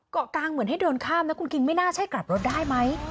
เกาะกลางเหมือนให้เดินข้ามนะคุณคิงไม่น่าใช่กลับรถได้ไหม